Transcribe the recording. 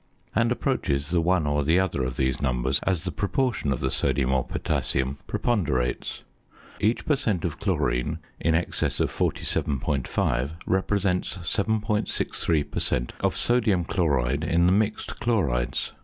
and approaches the one or the other of these numbers as the proportion of the sodium or potassium preponderates. Each per cent. of chlorine in excess of 47.5 represents 7.63 per cent. of sodium chloride in the mixed chlorides.